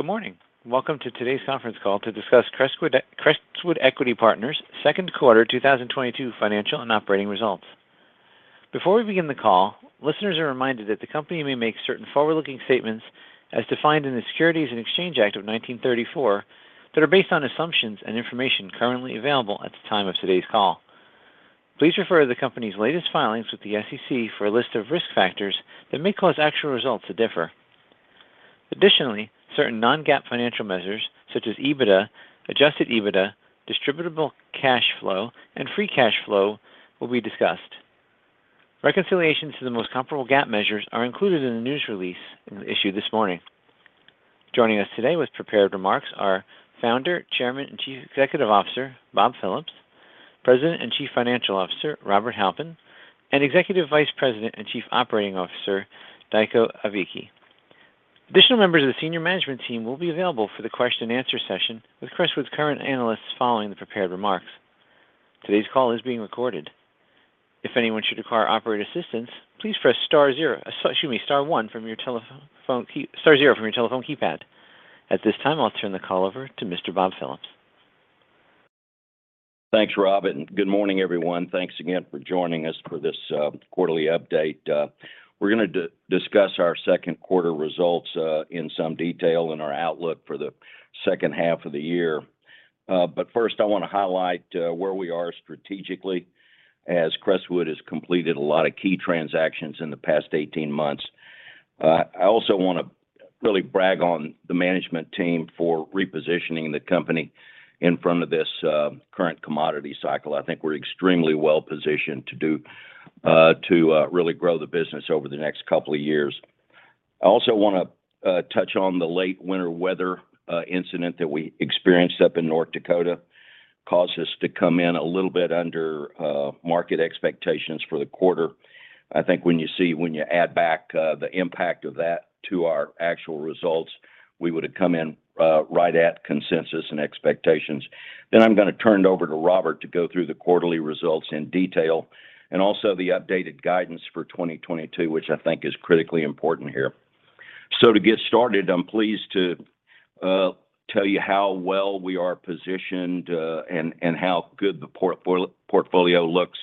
Good morning. Welcome to today's conference call to discuss Crestwood Equity Partners' second quarter 2022 financial and operating results. Before we begin the call, listeners are reminded that the company may make certain forward-looking statements as defined in the Securities Exchange Act of 1934 that are based on assumptions and information currently available at the time of today's call. Please refer to the company's latest filings with the SEC for a list of risk factors that may cause actual results to differ. Additionally, certain non-GAAP financial measures such as EBITDA, Adjusted EBITDA, Distributable Cash Flow, and free cash flow will be discussed. Reconciliations to the most comparable GAAP measures are included in the news release issued this morning. Joining us today with prepared remarks are Founder, Chairman, and Chief Executive Officer, Bob Phillips, President and Chief Financial Officer, Robert Halpin, and Executive Vice President and Chief Operating Officer, Diaco Aviki. Additional members of the senior management team will be available for the question-and-answer session, with Crestwood's current analysts following the prepared remarks. Today's call is being recorded. If anyone should require operator assistance, please press star zero, excuse me, star one from your telephone star zero from your telephone keypad. At this time, I'll turn the call over to Mr. Bob Phillips. Thanks, Robin. Good morning, everyone. Thanks again for joining us for this quarterly update. We're gonna discuss our second quarter results in some detail and our outlook for the second half of the year. First, I wanna highlight where we are strategically as Crestwood has completed a lot of key transactions in the past 18 months. I also wanna really brag on the management team for repositioning the company in front of this current commodity cycle. I think we're extremely well-positioned to really grow the business over the next couple of years. I also wanna touch on the late winter weather incident that we experienced up in North Dakota. Caused us to come in a little bit under market expectations for the quarter. I think when you add back the impact of that to our actual results, we would have come in right at consensus and expectations. I'm gonna turn it over to Robert to go through the quarterly results in detail and also the updated guidance for 2022, which I think is critically important here. To get started, I'm pleased to tell you how well we are positioned and how good the portfolio looks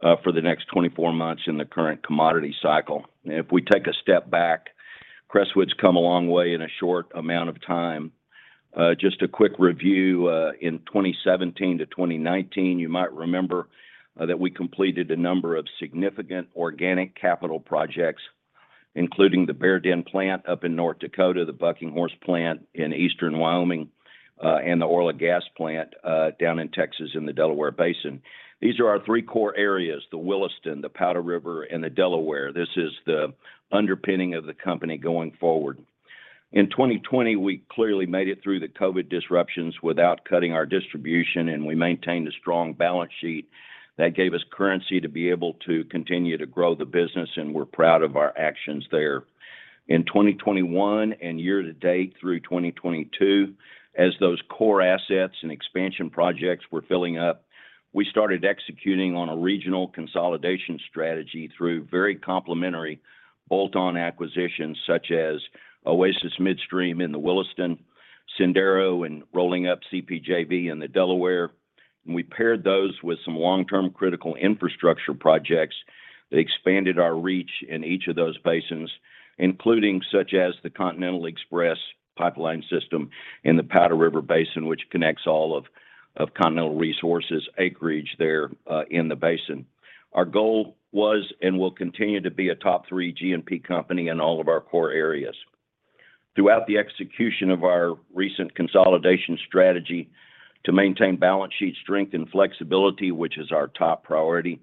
for the next 24 months in the current commodity cycle. If we take a step back, Crestwood's come a long way in a short amount of time. Just a quick review, in 2017-2019, you might remember that we completed a number of significant organic capital projects, including the Bear Den plant up in North Dakota, the Bucking Horse plant in eastern Wyoming, and the oil and gas plant down in Texas in the Delaware Basin. These are our three core areas, the Williston, the Powder River, and the Delaware. This is the underpinning of the company going forward. In 2020, we clearly made it through the COVID disruptions without cutting our distribution, and we maintained a strong balance sheet that gave us currency to be able to continue to grow the business, and we're proud of our actions there. In 2021 and year-to-date through 2022, as those core assets and expansion projects were filling up, we started executing on a regional consolidation strategy through very complementary bolt-on acquisitions such as Oasis Midstream in the Williston, Sendero, and rolling up CPJV in the Delaware. We paired those with some long-term critical infrastructure projects that expanded our reach in each of those basins, including such as the Continental Express pipeline system in the Powder River Basin, which connects all of Continental Resources' acreage there, in the basin. Our goal was and will continue to be a top three G&P company in all of our core areas. Throughout the execution of our recent consolidation strategy to maintain balance sheet strength and flexibility, which is our top priority,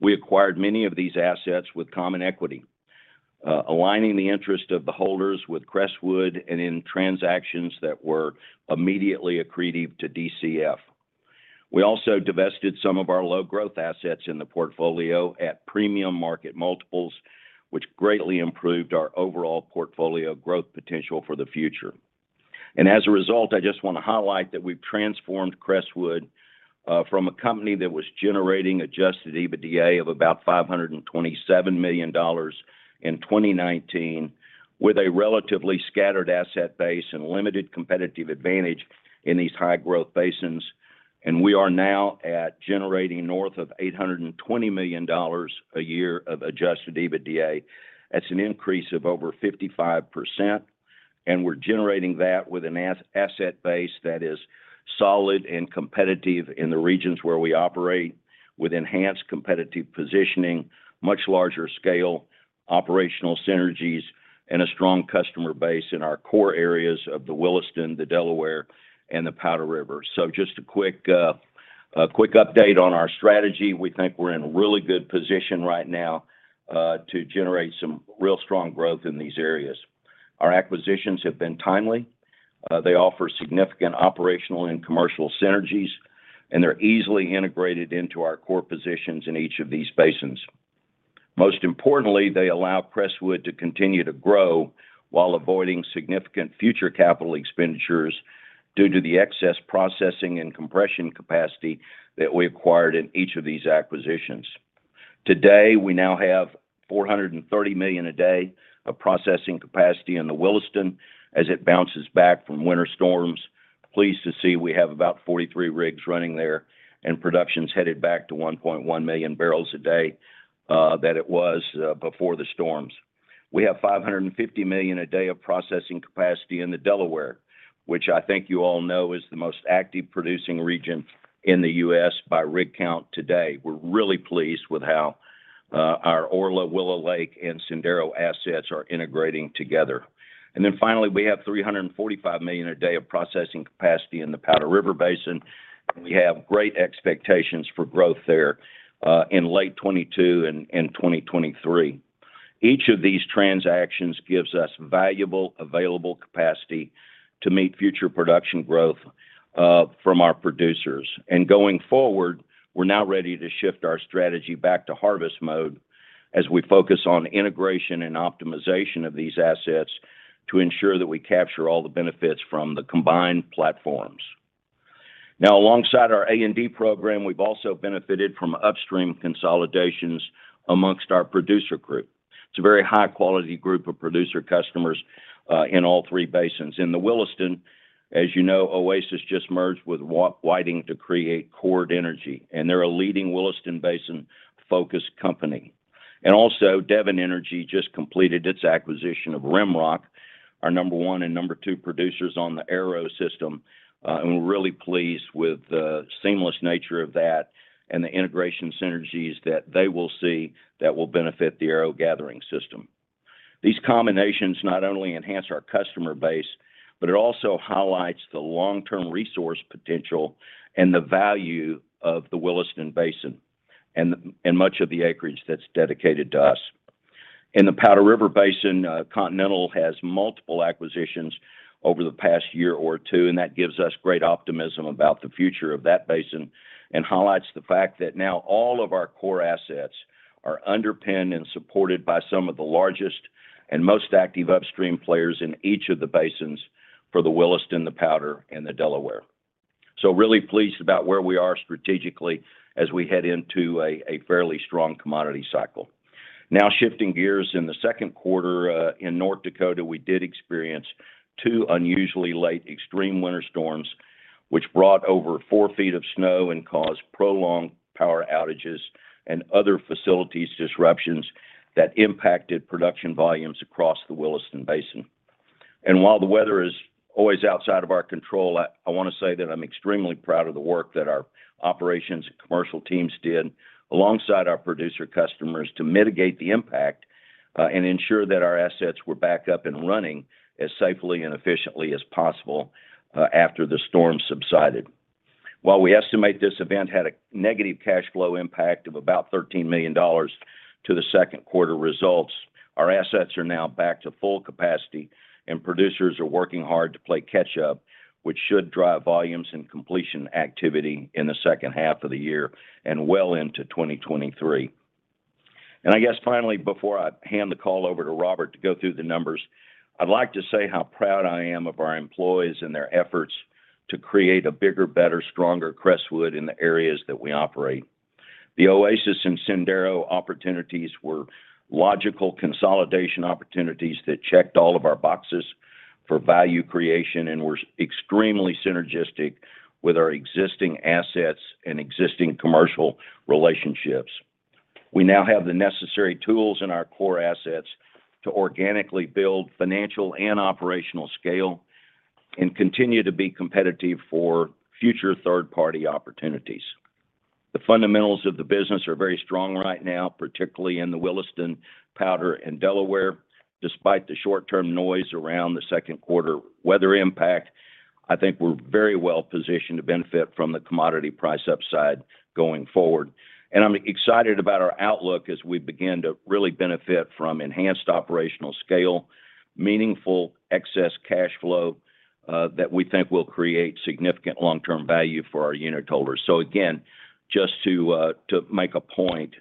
we acquired many of these assets with common equity, aligning the interest of the holders with Crestwood and in transactions that were immediately accretive to DCF. We also divested some of our low-growth assets in the portfolio at premium market multiples, which greatly improved our overall portfolio growth potential for the future. As a result, I just want to highlight that we've transformed Crestwood from a company that was generating Adjusted EBITDA of about $527 million in 2019 with a relatively scattered asset base and limited competitive advantage in these high-growth basins. We are now at generating north of $820 million a year of Adjusted EBITDA. That's an increase of over 55%, and we're generating that with an asset base that is solid and competitive in the regions where we operate with enhanced competitive positioning, much larger scale, operational synergies, and a strong customer base in our core areas of the Williston, the Delaware, and the Powder River. Just a quick update on our strategy. We think we're in a really good position right now to generate some real strong growth in these areas. Our acquisitions have been timely. They offer significant operational and commercial synergies, and they're easily integrated into our core positions in each of these basins. Most importantly, they allow Crestwood to continue to grow while avoiding significant future capital expenditures due to the excess processing and compression capacity that we acquired in each of these acquisitions. Today, we now have 430 million a day of processing capacity in the Williston as it bounces back from winter storms. Pleased to see we have about 43 rigs running there and productions headed back to 1.1 million barrels a day that it was before the storms. We have 550 million a day of processing capacity in the Delaware, which I think you all know is the most active producing region in the U.S. by rig count today. We're really pleased with how our Orla, Willow Lake, and Sendero assets are integrating together. Finally, we have 345 million a day of processing capacity in the Powder River Basin, and we have great expectations for growth there in late 2022 and 2023. Each of these transactions gives us valuable, available capacity to meet future production growth from our producers. Going forward, we're now ready to shift our strategy back to harvest mode as we focus on integration and optimization of these assets to ensure that we capture all the benefits from the combined platforms. Now, alongside our A&D program, we've also benefited from upstream consolidations amongst our producer group. It's a very high-quality group of producer customers in all three basins. In the Williston, as you know, Oasis just merged with Whiting to create Chord Energy, and they're a leading Williston Basin-focused company. Devon Energy just completed its acquisition of RimRock, our number one and number two producers on the Arrow system. We're really pleased with the seamless nature of that and the integration synergies that they will see that will benefit the Arrow gathering system. These combinations not only enhance our customer base, but it also highlights the long-term resource potential and the value of the Williston Basin and much of the acreage that's dedicated to us. In the Powder River Basin, Continental has multiple acquisitions over the past year or two, and that gives us great optimism about the future of that basin and highlights the fact that now all of our core assets are underpinned and supported by some of the largest and most active upstream players in each of the basins for the Williston, the Powder, and the Delaware. Really pleased about where we are strategically as we head into a fairly strong commodity cycle. Now, shifting gears in the second quarter, in North Dakota, we did experience two unusually late extreme winter storms, which brought over four feet of snow and caused prolonged power outages and other facilities disruptions that impacted production volumes across the Williston Basin. While the weather is always outside of our control, I wanna say that I'm extremely proud of the work that our operations and commercial teams did alongside our producer customers to mitigate the impact and ensure that our assets were back up and running as safely and efficiently as possible, after the storm subsided. While we estimate this event had a negative cash flow impact of about $13 million to the second quarter results, our assets are now back to full capacity, and producers are working hard to play catch up, which should drive volumes and completion activity in the second half of the year and well into 2023. I guess finally, before I hand the call over to Robert to go through the numbers, I'd like to say how proud I am of our employees and their efforts to create a bigger, better, stronger Crestwood in the areas that we operate. The Oasis and Sendero opportunities were logical consolidation opportunities that checked all of our boxes for value creation and were extremely synergistic with our existing assets and existing commercial relationships. We now have the necessary tools in our core assets to organically build financial and operational scale and continue to be competitive for future third-party opportunities. The fundamentals of the business are very strong right now, particularly in the Williston, Powder, and Delaware. Despite the short-term noise around the second quarter weather impact, I think we're very well positioned to benefit from the commodity price upside going forward. I'm excited about our outlook as we begin to really benefit from enhanced operational scale, meaningful excess cash flow that we think will create significant long-term value for our unitholders. Again, just to make a point,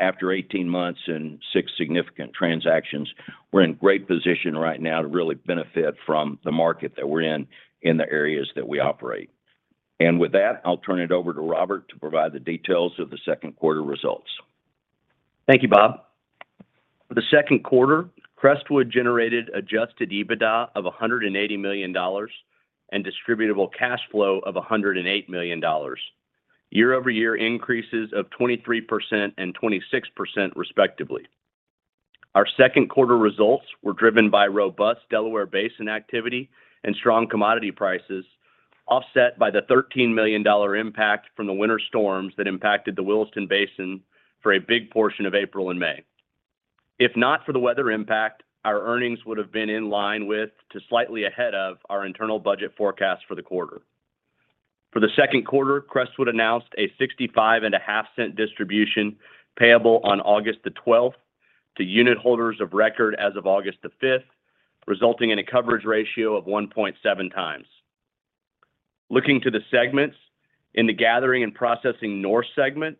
after 18 months and six significant transactions, we're in great position right now to really benefit from the market that we're in in the areas that we operate. With that, I'll turn it over to Robert to provide the details of the second quarter results. Thank you, Bob. For the second quarter, Crestwood generated Adjusted EBITDA of $180 million and Distributable Cash Flow of $108 million. Year-over-year increases of 23% and 26% respectively. Our second quarter results were driven by robust Delaware Basin activity and strong commodity prices, offset by the $13 million impact from the winter storms that impacted the Williston Basin for a big portion of April and May. If not for the weather impact, our earnings would have been in line with, to slightly ahead of our internal budget forecast for the quarter. For the second quarter, Crestwood announced a $0.655 distribution payable on August 12 to unitholders of record as of August 5th, resulting in a coverage ratio of 1.7x. Looking to the segments in the Gathering and Processing North segment,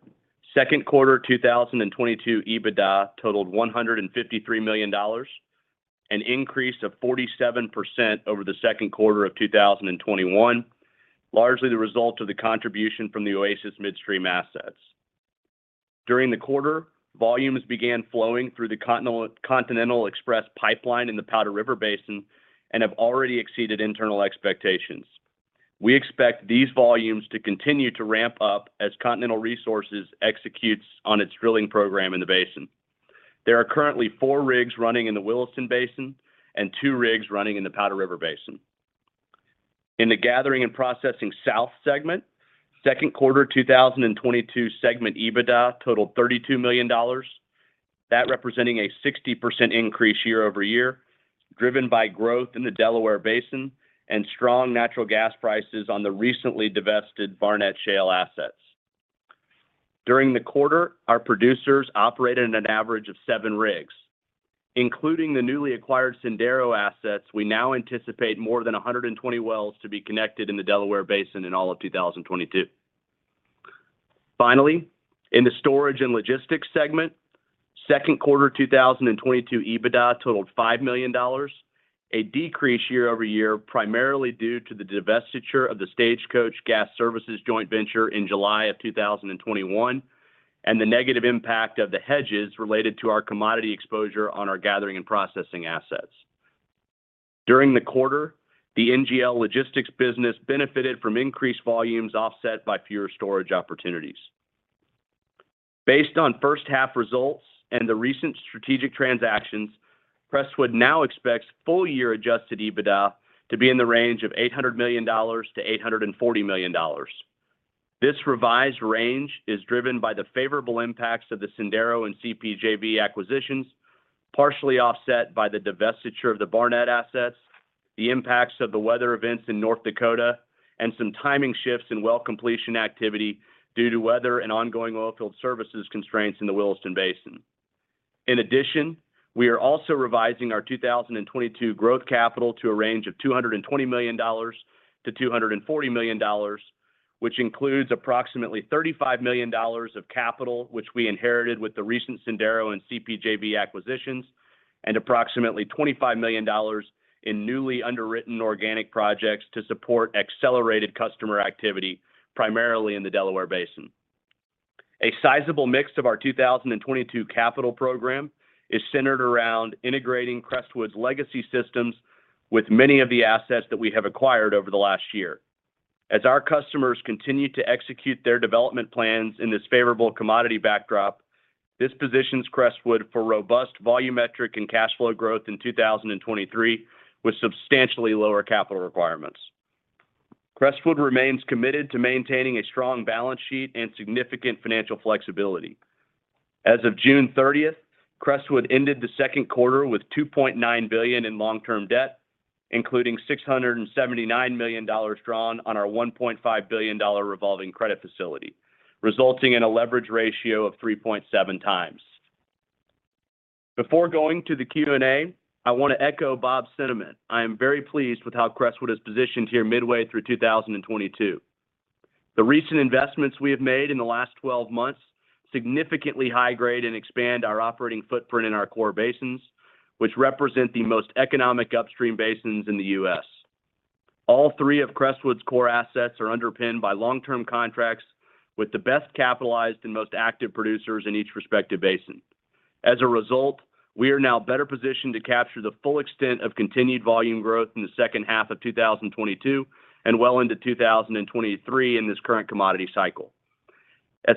second quarter 2022 EBITDA totaled $153 million. An increase of 47% over the second quarter of 2021, largely the result of the contribution from the Oasis Midstream assets. During the quarter, volumes began flowing through the Continental Express pipeline in the Powder River Basin and have already exceeded internal expectations. We expect these volumes to continue to ramp up as Continental Resources executes on its drilling program in the basin. There are currently four rigs running in the Williston Basin and two rigs running in the Powder River Basin. In the Gathering and Processing South segment, Q2 2022 segment EBITDA totaled $32 million, that representing a 60% increase year-over-year, driven by growth in the Delaware Basin and strong natural gas prices on the recently divested Barnett Shale assets. During the quarter, our producers operated at an average of seven rigs, including the newly acquired Sendero assets. We now anticipate more than 120 wells to be connected in the Delaware Basin in all of 2022. Finally, in the Storage and Logistics segment, Q2 2022 EBITDA totaled $5 million, a decrease year-over-year, primarily due to the divestiture of the Stagecoach Gas Services joint venture in July 2021 and the negative impact of the hedges related to our commodity exposure on our gathering and processing assets. During the quarter, the NGL logistics business benefited from increased volumes offset by fewer storage opportunities. Based on first half results and the recent strategic transactions, Crestwood now expects full year Adjusted EBITDA to be in the range of $800 million-$840 million. This revised range is driven by the favorable impacts of the Sendero and CPJV acquisitions, partially offset by the divestiture of the Barnett assets, the impacts of the weather events in North Dakota, and some timing shifts in well completion activity due to weather and ongoing oil field services constraints in the Williston Basin. In addition, we are also revising our 2022 growth capital to a range of $220 million-$240 million, which includes approximately $35 million of capital, which we inherited with the recent Sendero and CPJV acquisitions, and approximately $25 million in newly underwritten organic projects to support accelerated customer activity, primarily in the Delaware Basin. A sizable mix of our 2022 capital program is centered around integrating Crestwood's legacy systems with many of the assets that we have acquired over the last year. As our customers continue to execute their development plans in this favorable commodity backdrop, this positions Crestwood for robust volumetric and cash flow growth in 2023 with substantially lower capital requirements. Crestwood remains committed to maintaining a strong balance sheet and significant financial flexibility. As of June 30th, Crestwood ended the second quarter with $2.9 billion in long-term debt, including $679 million drawn on our $1.5 billion revolving credit facility, resulting in a leverage ratio of 3.7x. Before going to the Q&A, I want to echo Bob's sentiment. I am very pleased with how Crestwood is positioned here midway through 2022. The recent investments we have made in the last 12 months significantly high grade and expand our operating footprint in our core basins, which represent the most economic upstream basins in the U.S. All three of Crestwood's core assets are underpinned by long-term contracts with the best capitalized and most active producers in each respective basin. As a result, we are now better positioned to capture the full extent of continued volume growth in the second half of 2022 and well into 2023 in this current commodity cycle.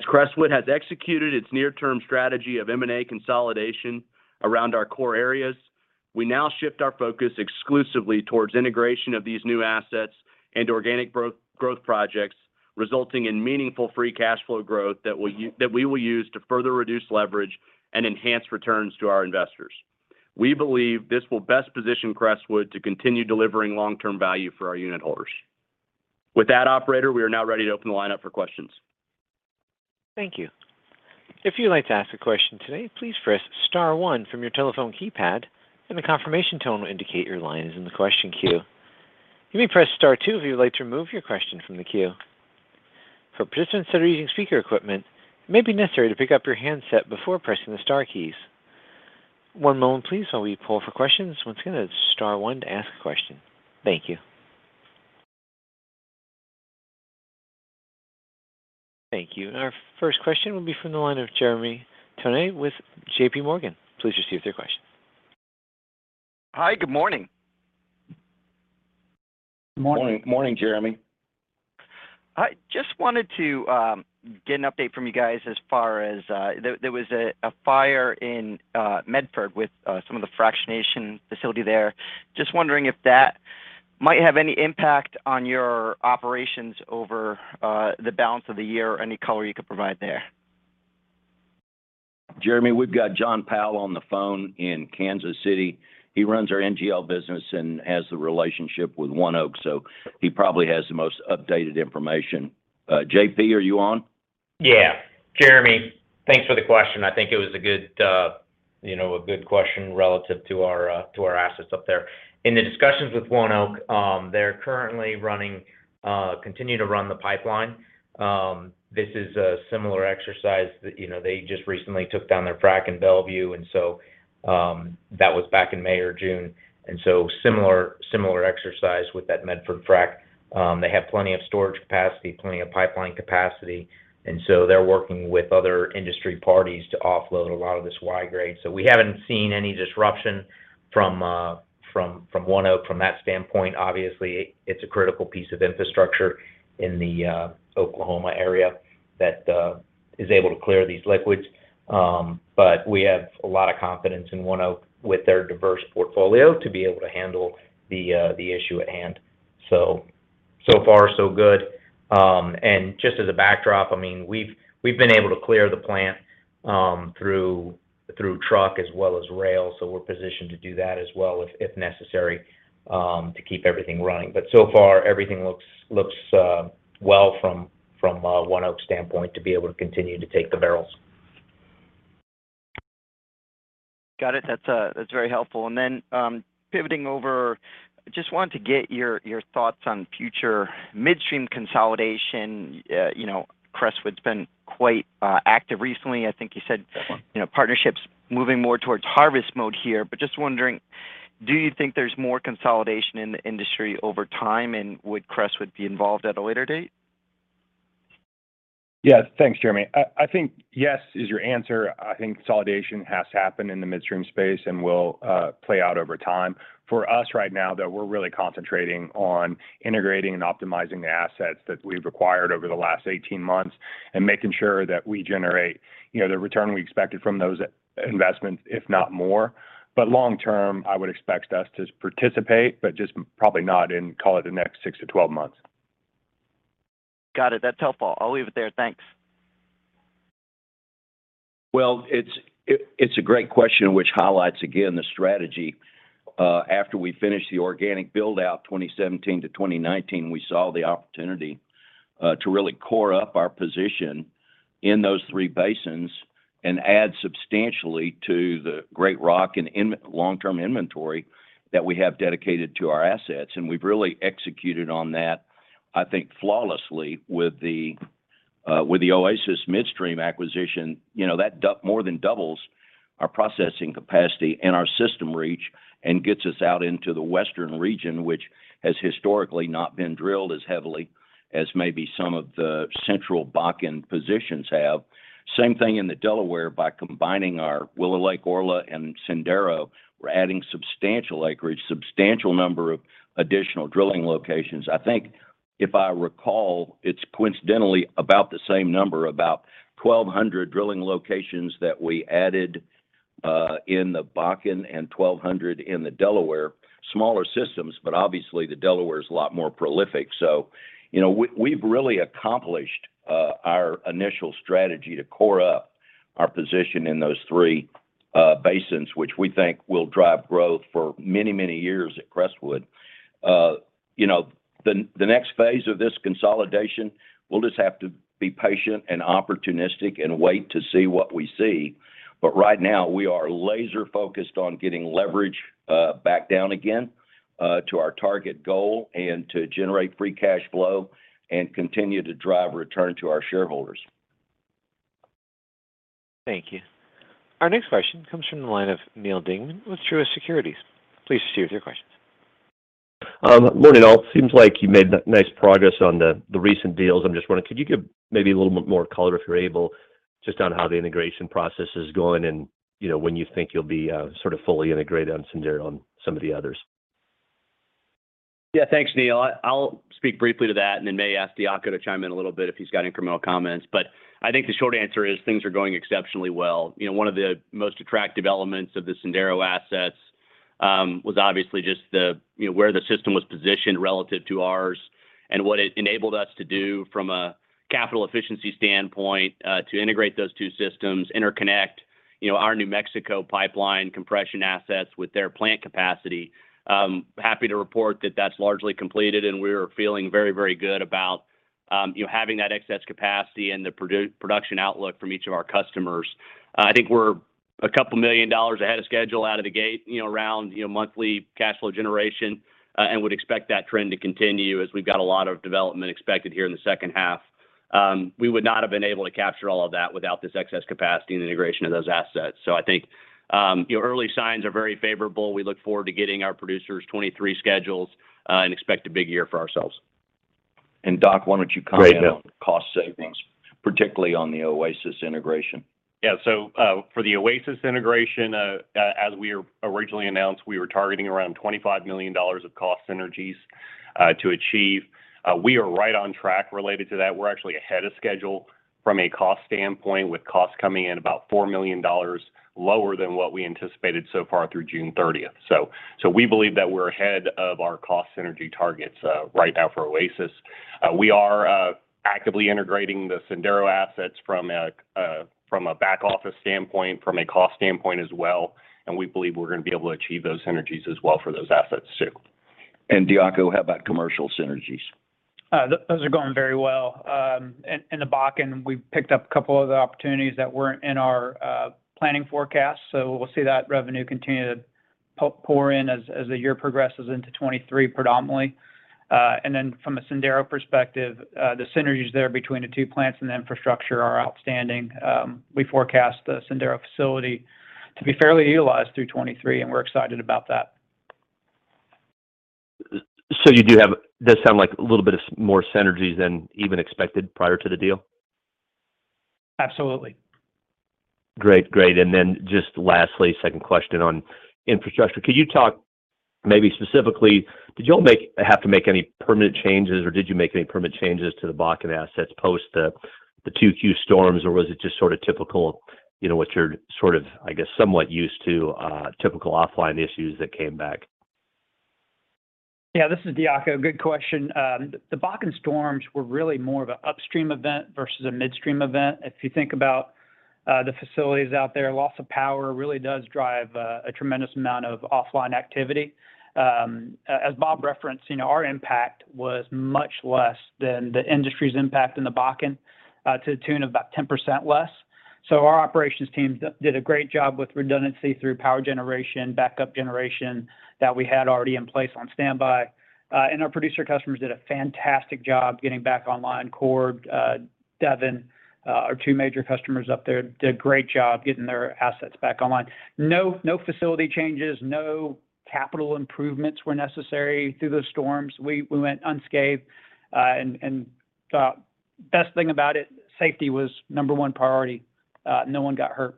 Crestwood has executed its near-term strategy of M&A consolidation around our core areas. We now shift our focus exclusively towards integration of these new assets and organic growth projects, resulting in meaningful free cash flow growth that we will use to further reduce leverage and enhance returns to our investors. We believe this will best position Crestwood to continue delivering long-term value for our unitholders. With that, operator, we are now ready to open the line up for questions. Thank you. If you'd like to ask a question today, please press star one from your telephone keypad and a confirmation tone will indicate your line is in the question queue. You may press star two if you would like to remove your question from the queue. For participants that are using speaker equipment, it may be necessary to pick up your handset before pressing the star keys. One moment please while we poll for questions. Once again, it's star one to ask a question. Thank you. Thank you. Our first question will be from the line of Jeremy Tonet with JPMorgan. Please go ahead. Hi. Good morning. Morning. Morning, Jeremy. I just wanted to get an update from you guys as far as there was a fire in Medford with some of the fractionation facility there. Just wondering if that might have any impact on your operations over the balance of the year, any color you could provide there? Jeremy, we've got John Powell on the phone in Kansas City. He runs our NGL business and has the relationship with ONEOK, so he probably has the most updated information. JP, are you on? Yeah. Jeremy, thanks for the question. I think it was a good, you know, a good question relative to our, to our assets up there. In the discussions with ONEOK, they're currently running—continue to run the pipeline. This is a similar exercise that, you know, they just recently took down their frack in Bellevue, and so, that was back in May or June. Similar exercise with that Medford frack. They have plenty of storage capacity, plenty of pipeline capacity, and so they're working with other industry parties to offload a lot of this Y-grade. We haven't seen any disruption from ONEOK from that standpoint. Obviously, it's a critical piece of infrastructure in the Oklahoma area that is able to clear these liquids. We have a lot of confidence in ONEOK with their diverse portfolio to be able to handle the issue at hand. So far so good. Just as a backdrop, I mean, we've been able to clear the plant through truck as well as rail, so we're positioned to do that as well if necessary to keep everything running. So far, everything looks well from ONEOK's standpoint to be able to continue to take the barrels. Got it. That's very helpful. Then, pivoting over, just wanted to get your thoughts on future midstream consolidation. You know, Crestwood's been quite active recently. I think you said- Yeah. you know, partnership's moving more towards harvest mode here. Just wondering, do you think there's more consolidation in the industry over time, and would Crestwood be involved at a later date? Yes. Thanks, Jeremy. I think yes is your answer. I think consolidation has to happen in the midstream space and will play out over time. For us right now, though, we're really concentrating on integrating and optimizing the assets that we've acquired over the last 18 months and making sure that we generate, you know, the return we expected from those investments, if not more. Long term, I would expect us to participate, but just probably not in, call it, the next six-12 months. Got it. That's helpful. I'll leave it there. Thanks. It's a great question, which highlights again the strategy. After we finished the organic build-out 2017-2019, we saw the opportunity to really core up our position in those three basins and add substantially to the Greater Rockies long-term inventory that we have dedicated to our assets. We've really executed on that, I think flawlessly with the Oasis Midstream acquisition. You know, that more than doubles our processing capacity and our system reach and gets us out into the Western region, which has historically not been drilled as heavily as maybe some of the central Bakken positions have. Same thing in the Delaware. By combining our Willow Lake, Orla, and Sendero, we're adding substantial acreage, substantial number of additional drilling locations. I think if I recall, it's coincidentally about the same number, about 1,200 drilling locations that we added in the Bakken and 1,200 in the Delaware. Smaller systems, but obviously the Delaware is a lot more prolific. You know, we've really accomplished our initial strategy to core up our position in those three basins, which we think will drive growth for many, many years at Crestwood. You know, the next phase of this consolidation, we'll just have to be patient and opportunistic and wait to see what we see. Right now, we are laser focused on getting leverage back down again to our target goal and to generate free cash flow and continue to drive return to our shareholders. Thank you. Our next question comes from the line of Neal Dingmann with Truist Securities. Please proceed with your questions. Good morning, all. Seems like you made nice progress on the recent deals. I'm just wondering, could you give maybe a little bit more color, if you're able, just on how the integration process is going and, you know, when you think you'll be sort of fully integrated on Sendero and some of the others? Yeah. Thanks, Neal. I'll speak briefly to that and then may ask Diaco to chime in a little bit if he's got incremental comments. I think the short answer is things are going exceptionally well. You know, one of the most attractive elements of the Sendero assets was obviously just the, you know, where the system was positioned relative to ours and what it enabled us to do from a capital efficiency standpoint, to integrate those two systems, interconnect, you know, our New Mexico pipeline compression assets with their plant capacity. Happy to report that that's largely completed, and we're feeling very, very good about, you know, having that excess capacity and the production outlook from each of our customers. I think we're $2 million ahead of schedule out of the gate, you know, around, you know, monthly cash flow generation, and would expect that trend to continue as we've got a lot of development expected here in the second half. We would not have been able to capture all of that without this excess capacity and integration of those assets. I think, you know, early signs are very favorable. We look forward to getting our producers 2023 schedules and expect a big year for ourselves. Doc, why don't you comment? Great, Neal. on cost savings, particularly on the Oasis integration? Yeah. For the Oasis integration, as we originally announced, we were targeting around $25 million of cost synergies to achieve. We are right on track related to that. We're actually ahead of schedule from a cost standpoint, with costs coming in about $4 million lower than what we anticipated so far through June thirtieth. We believe that we're ahead of our cost synergy targets right now for Oasis. We are actively integrating the Sendero assets from a back-office standpoint, from a cost standpoint as well, and we believe we're gonna be able to achieve those synergies as well for those assets too. Diaco, how about commercial synergies? Those are going very well. In the Bakken we've picked up a couple other opportunities that weren't in our planning forecast. We'll see that revenue continue to pour in as the year progresses into 2023 predominantly. From a Sendero perspective, the synergies there between the two plants and the infrastructure are outstanding. We forecast the Sendero facility to be fairly utilized through 2023, and we're excited about that. It does sound like a little bit more synergies than even expected prior to the deal? Absolutely. Great. Just lastly, second question on infrastructure. Could you talk maybe specifically, did y'all have to make any permanent changes or did you make any permanent changes to the Bakken assets post the two key storms? Or was it just sort of typical, you know, what you're sort of, I guess, somewhat used to, typical offline issues that came back? Yeah, this is Diaco. Good question. The Bakken storms were really more of an upstream event versus a midstream event. If you think about the facilities out there, loss of power really does drive a tremendous amount of offline activity. As Bob referenced, you know, our impact was much less than the industry's impact in the Bakken, to the tune of about 10% less. Our operations teams did a great job with redundancy through power generation, backup generation that we had already in place on standby. Our producer customers did a fantastic job getting back online. Chord, Devon, our two major customers up there, did a great job getting their assets back online. No facility changes, no capital improvements were necessary through those storms. We went unscathed. Best thing about it, safety was number one priority. No one got hurt.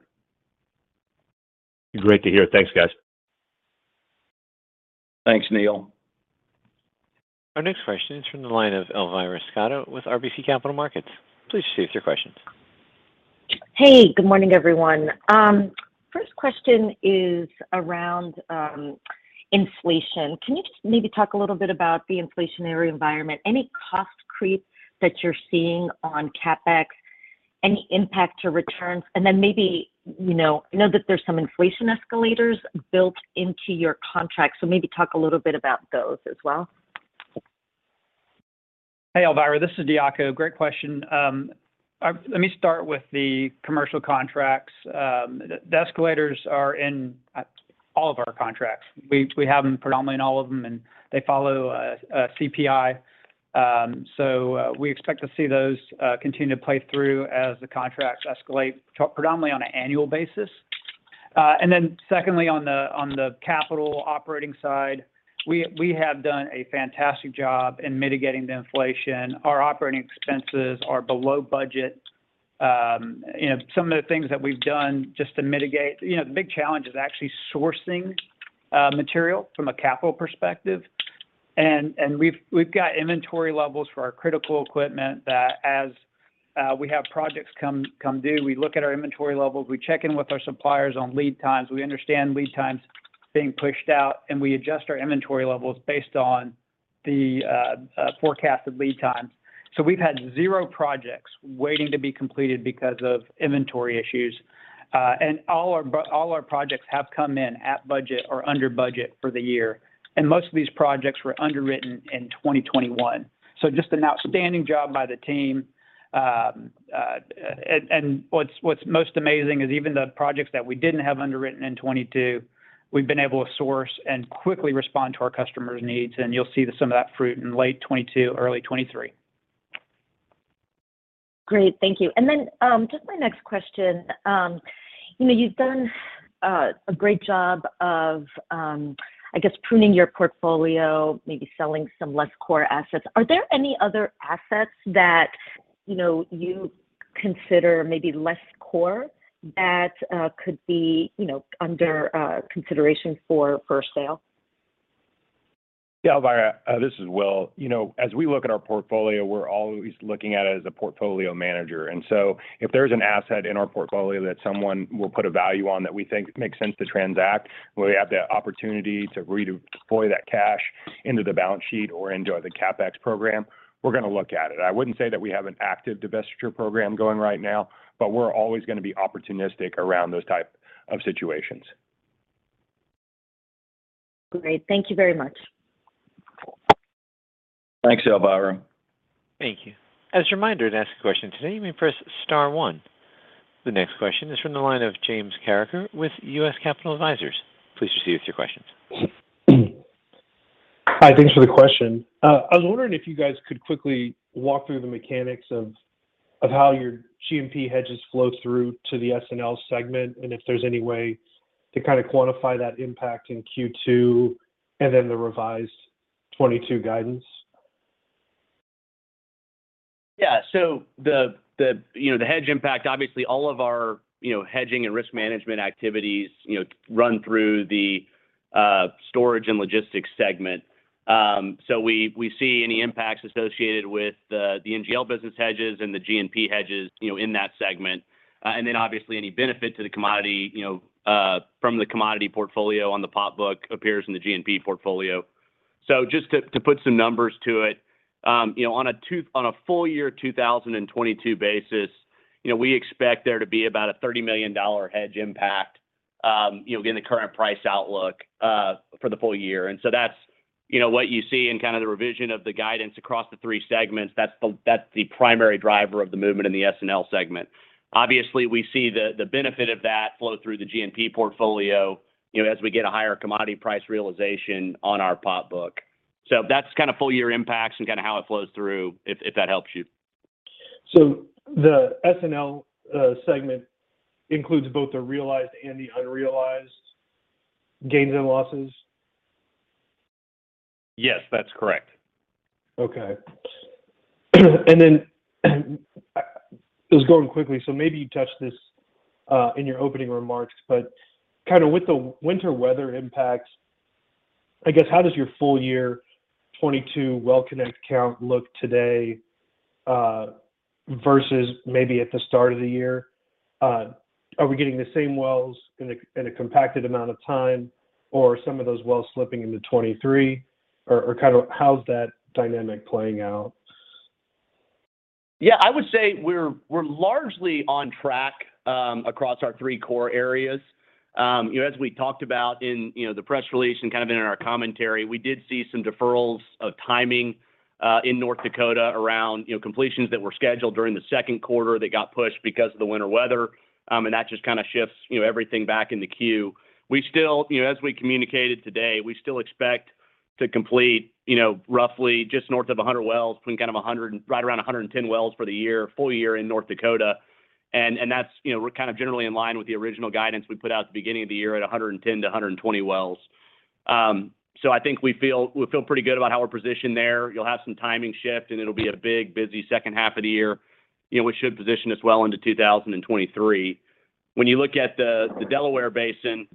Great to hear. Thanks, guys. Thanks, Neal. Our next question is from the line of Elvira Scotto with RBC Capital Markets. Please proceed with your questions. Hey, good morning, everyone. First question is around inflation. Can you just maybe talk a little bit about the inflationary environment? Any cost creeps that you're seeing on CapEx? Any impact to returns? And then maybe, you know, I know that there's some inflation escalators built into your contract, so maybe talk a little bit about those as well. Hey, Elvira. This is Diaco. Great question. Let me start with the commercial contracts. The escalators are in all of our contracts. We have them predominantly in all of them, and they follow a CPI. So, we expect to see those continue to play through as the contracts escalate predominantly on an annual basis. Then secondly, on the capital operating side, we have done a fantastic job in mitigating the inflation. Our operating expenses are below budget. You know, some of the things that we've done just to mitigate. You know, the big challenge is actually sourcing material from a capital perspective. We've got inventory levels for our critical equipment that as we have projects come due, we look at our inventory levels, we check in with our suppliers on lead times. We understand lead times being pushed out, and we adjust our inventory levels based on the forecast of lead time. We've had zero projects waiting to be completed because of inventory issues. All our projects have come in at budget or under budget for the year, and most of these projects were underwritten in 2021. Just an outstanding job by the team. What's most amazing is even the projects that we didn't have underwritten in 2022, we've been able to source and quickly respond to our customers' needs, and you'll see the sum of that fruit in late 2022, early 2023. Great. Thank you. Just my next question. You know, you've done a great job of, I guess, pruning your portfolio, maybe selling some less core assets. Are there any other assets that, you know, you consider maybe less core that could be, you know, under consideration for sale? Yeah, Elvira, this is Will. You know, as we look at our portfolio, we're always looking at it as a portfolio manager. If there's an asset in our portfolio that someone will put a value on that we think makes sense to transact, where we have the opportunity to redeploy that cash into the balance sheet or into the CapEx program, we're gonna look at it. I wouldn't say that we have an active divestiture program going right now, but we're always gonna be opportunistic around those types of situations. Great. Thank you very much. Thanks, Elvira. Thank you. As a reminder, to ask a question today, you may press star one. The next question is from the line of James Carreker with U.S. Capital Advisors. Please proceed with your questions. Hi, thanks for the question. I was wondering if you guys could quickly walk through the mechanics of how your G&P hedges flow through to the S&L segment, and if there's any way to kind of quantify that impact in Q2 and then the revised 2022 guidance. Yeah. The you know, the hedge impact, obviously all of our, you know, hedging and risk management activities, you know, run through the storage and logistics segment. We see any impacts associated with the NGL business hedges and the G&P hedges, you know, in that segment. Then obviously any benefit to the commodity, you know, from the commodity portfolio on the POP book appears in the G&P portfolio. Just to put some numbers to it, you know, on a full year 2022 basis, you know, we expect there to be about a $30 million hedge impact. You know, given the current price outlook for the full year. That's, you know, what you see in kind of the revision of the guidance across the three segments. That's the primary driver of the movement in the S&L segment. Obviously, we see the benefit of that flow through the GNP portfolio, you know, as we get a higher commodity price realization on our POP book. That's kind of full year impacts and kind of how it flows through if that helps you. The S&L segment includes both the realized and the unrealized gains and losses? Yes, that's correct. Okay. I was going quickly, so maybe you touched this in your opening remarks, but kinda with the winter weather impacts, I guess, how does your full year 2022 well connect count look today versus maybe at the start of the year? Are we getting the same wells in a compacted amount of time, or are some of those wells slipping into 2023? Or kind of how's that dynamic playing out? Yeah, I would say we're largely on track across our three core areas. You know, as we talked about in the press release and kind of in our commentary, we did see some deferrals of timing in North Dakota around completions that were scheduled during the second quarter that got pushed because of the winter weather. And that just kind of shifts everything back in the queue. We still, you know, as we communicated today, we still expect to complete roughly just north of 100 wells, between kind of 100 and right around 110 wells for the year, full year in North Dakota. That's, you know, we're kind of generally in line with the original guidance we put out at the beginning of the year at 110-120 wells. So I think we feel pretty good about how we're positioned there. You'll have some timing shift, and it'll be a big, busy second half of the year. We should position as well into 2023. When you look at the Delaware Basin,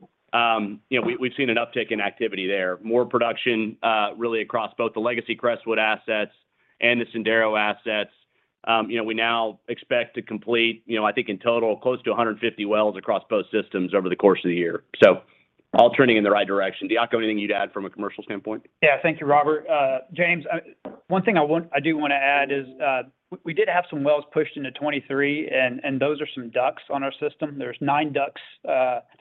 you know, we've seen an uptick in activity there. More production, really across both the legacy Crestwood assets and the Sendero assets. We now expect to complete, I think in total, close to 150 wells across both systems over the course of the year. So, all turning in the right direction. Diaco, anything you'd add from a commercial standpoint? Yeah. Thank you, Robert. James, one thing I do want to add is, we did have some wells pushed into 2023, and those are some DUCs on our system. There are nine DUCs. There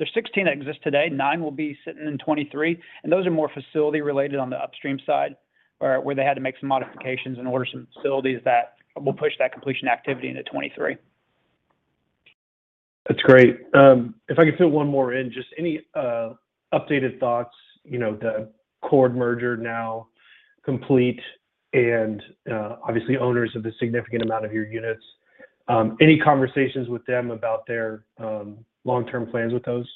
are 16 that exist today. Nine will be sitting in 2023, and those are more facility related on the upstream side where they had to make some modifications in order for some facilities that will push that completion activity into 2023. That's great. If I could fit one more in, just any updated thoughts, you know, the Chord merger now complete and obviously owners of the significant amount of your units. Any conversations with them about their long-term plans with those?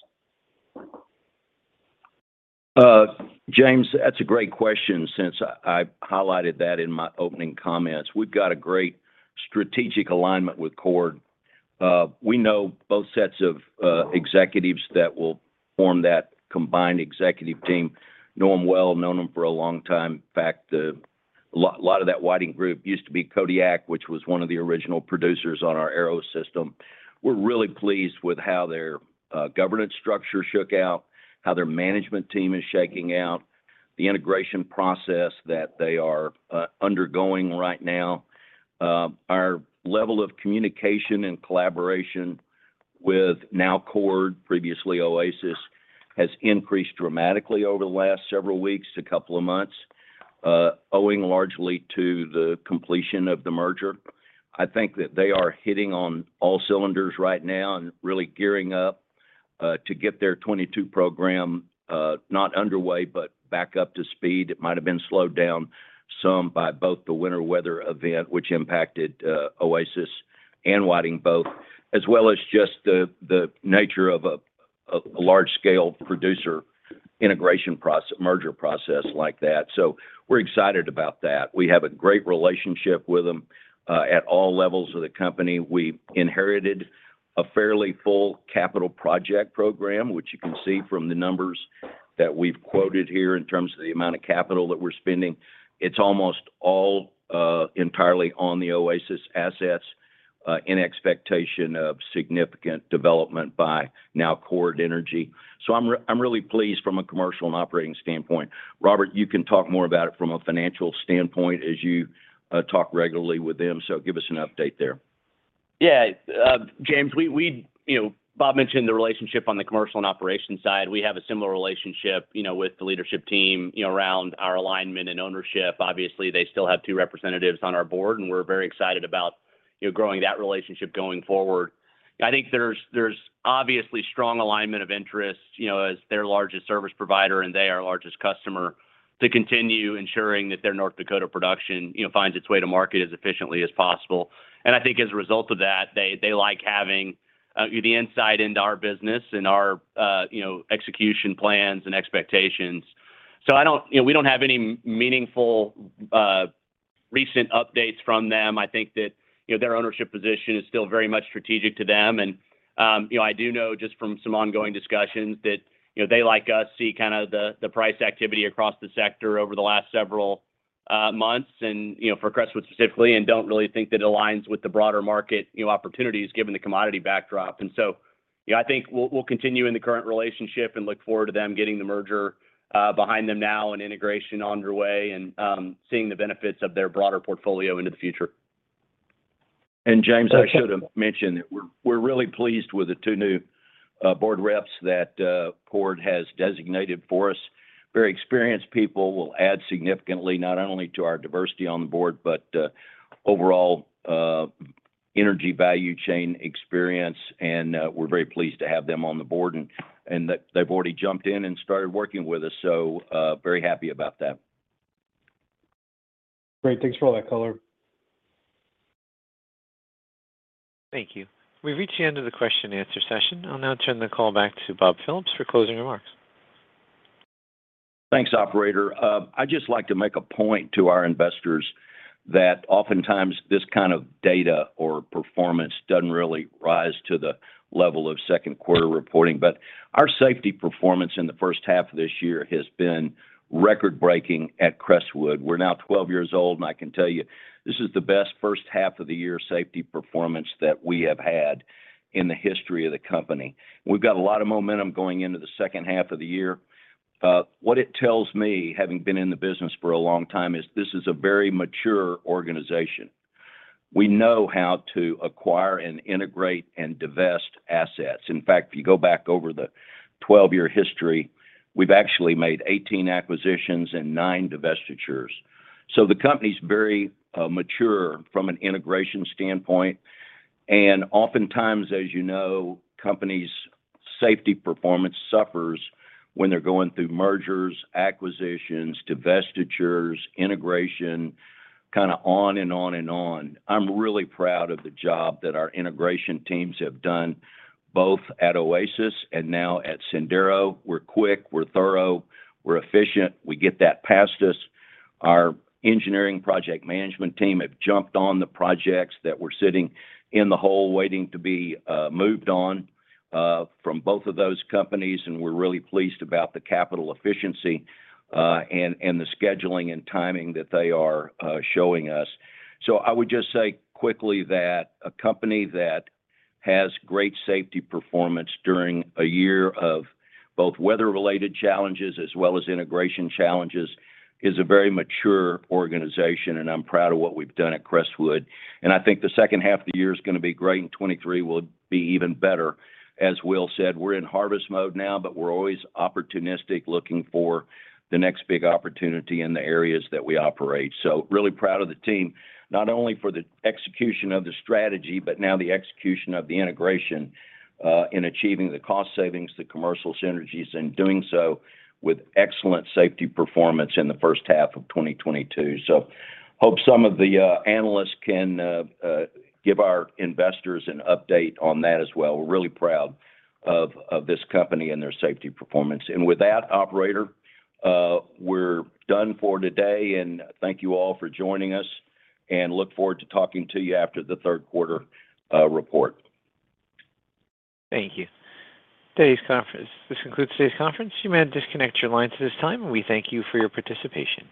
James, that's a great question since I highlighted that in my opening comments. We've got a great strategic alignment with Chord. We know both sets of executives that will form that combined executive team, know them well, known them for a long time. In fact, a lot of that Whiting group used to be Kodiak, which was one of the original producers on our Arrow system. We're really pleased with how their governance structure shook out, how their management team is shaking out, the integration process that they are undergoing right now. Our level of communication and collaboration with now Chord, previously Oasis, has increased dramatically over the last several weeks to couple of months, owing largely to the completion of the merger. I think that they are hitting on all cylinders right now and really gearing up to get their 2022 program not underway, but back up to speed. It might have been slowed down some by both the winter weather event, which impacted Oasis and Whiting both, as well as just the nature of a large-scale producer integration merger process like that. We're excited about that. We have a great relationship with them at all levels of the company. We inherited a fairly full capital project program, which you can see from the numbers that we've quoted here in terms of the amount of capital that we're spending. It's almost all entirely on the Oasis assets in expectation of significant development by Chord Energy. I'm really pleased from a commercial and operating standpoint. Robert, you can talk more about it from a financial standpoint as you talk regularly with them. Give us an update there. Yeah. James, we. You know, Bob mentioned the relationship on the commercial and operations side. We have a similar relationship, you know, with the leadership team, you know, around our alignment and ownership. Obviously, they still have two representatives on our board, and we're very excited about, you know, growing that relationship going forward. I think there's obviously strong alignment of interest, you know, as their largest service provider and they, our largest customer, to continue ensuring that their North Dakota production, you know, finds its way to market as efficiently as possible. I think as a result of that, they like having the insight into our business and our, you know, execution plans and expectations. You know, we don't have any meaningful recent updates from them. I think that, you know, their ownership position is still very much strategic to them. You know, I do know just from some ongoing discussions that, you know, they, like us, see kinda the price activity across the sector over the last several months and, you know, for Crestwood specifically, and don't really think that aligns with the broader market, you know, opportunities given the commodity backdrop. You know, I think we'll continue in the current relationship and look forward to them getting the merger behind them now and integration underway and seeing the benefits of their broader portfolio into the future. James, I should have mentioned that we're really pleased with the two new board reps that Chord has designated for us. Very experienced people will add significantly not only to our diversity on the board, but overall energy value chain experience, and we're very pleased to have them on the board. They've already jumped in and started working with us, so very happy about that. Great. Thanks for all that color. Thank you. We've reached the end of the question-and-answer session. I'll now turn the call back to Bob Phillips for closing remarks. Thanks, operator. I'd just like to make a point to our investors that oftentimes this kind of data or performance doesn't really rise to the level of second quarter reporting, but our safety performance in the first half of this year has been record-breaking at Crestwood. We're now 12 years old, and I can tell you this is the best first half of the year safety performance that we have had in the history of the company. We've got a lot of momentum going into the second half of the year. What it tells me, having been in the business for a long time, is this is a very mature organization. We know how to acquire and integrate and divest assets. In fact, if you go back over the 12-year history, we've actually made 18 acquisitions and nine divestitures. The company's very mature from an integration standpoint. Oftentimes, as you know, company's safety performance suffers when they're going through mergers, acquisitions, divestitures, integration, kind of on and on and on. I'm really proud of the job that our integration teams have done, both at Oasis and now at Sendero. We're quick, we're thorough, we're efficient. We get that past us. Our engineering project management team have jumped on the projects that were sitting in the hole waiting to be moved on from both of those companies, and we're really pleased about the capital efficiency and the scheduling and timing that they are showing us. I would just say quickly that a company that has great safety performance during a year of both weather-related challenges as well as integration challenges is a very mature organization, and I'm proud of what we've done at Crestwood. I think the second half of the year is gonna be great, and 2023 will be even better. As Will said, we're in harvest mode now, but we're always opportunistic, looking for the next big opportunity in the areas that we operate. Really proud of the team, not only for the execution of the strategy, but now the execution of the integration in achieving the cost savings, the commercial synergies, and doing so with excellent safety performance in the first half of 2022. Hope some of the analysts can give our investors an update on that as well. We're really proud of this company and their safety performance. With that, operator, we're done for today, and thank you all for joining us and look forward to talking to you after the third quarter report. Thank you. This concludes today's conference. You may disconnect your lines at this time, and we thank you for your participation.